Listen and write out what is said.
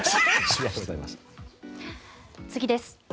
次です。